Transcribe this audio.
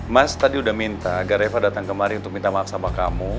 mas tadi udah minta agar eva datang kemari untuk minta maaf sama kamu